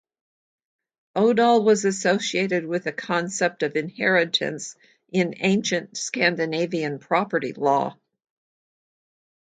Odal was associated with the concept of inheritance in ancient Scandinavian property law.